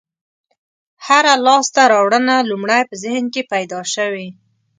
هره لاستهراوړنه لومړی په ذهن کې پیدا شوې.